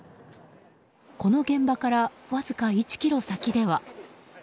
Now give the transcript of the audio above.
この現場からわずか１ｋｍ先では。